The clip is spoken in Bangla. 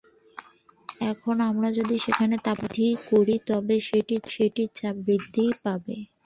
এখন আমরা যদি সেখানে তাপমাত্রা বৃদ্ধি করি তবে সেটির চাপ বৃদ্ধি পাবে।